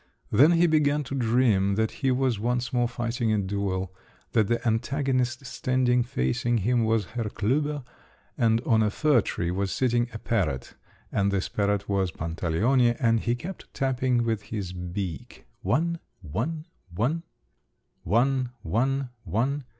Then he began to dream that he was once more fighting a duel, that the antagonist standing facing him was Herr Klüber, and on a fir tree was sitting a parrot, and this parrot was Pantaleone, and he kept tapping with his beak: one, one, one! "One … one … one!"